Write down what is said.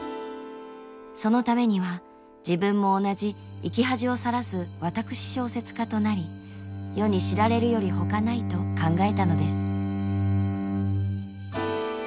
そのためには自分も同じ生き恥をさらす私小説家となり世に知られるよりほかないと考えたのです。